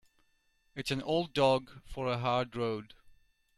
It's an old dog for a hard road.